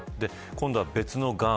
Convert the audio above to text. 今度は別のがん。